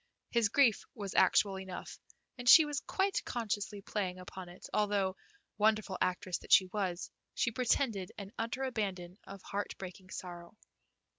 His grief was actual enough, and she was quite consciously playing upon it, although, wonderful actress that she was, she pretended an utter abandon of heart breaking sorrow.